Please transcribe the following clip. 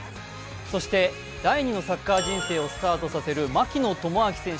そして第２のサッカー人生をスタートさせる槙野智章選手。